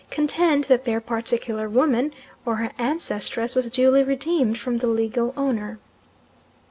contend that their particular woman, or her ancestress, was duly redeemed from the legal owner.